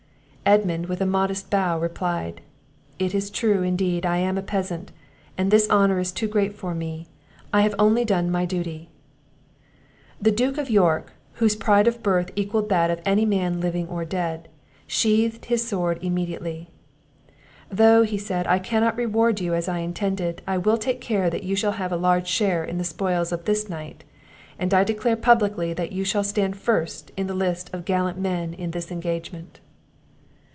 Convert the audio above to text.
Edmund, with a modest bow, replied, "It is true indeed I am a peasant, and this honour is too great for me; I have only done my duty." The Duke of York, whose pride of birth equalled that of any man living or dead, sheathed his sword immediately. "Though," said he, "I cannot reward you as I intended, I will take care that you shall have a large share in the spoils of this night; and, I declare publicly, that you stand first in the list of gallant men in this engagement."